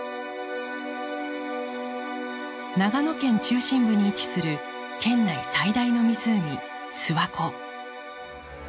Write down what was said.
長野県中心部に位置する県内最大の湖諏訪湖。